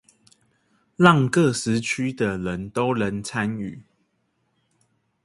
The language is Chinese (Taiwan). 讓各時區的人都能參與